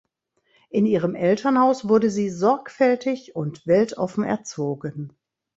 In ihrem Elternhaus wurde sie „sorgfältig und weltoffen“ erzogen.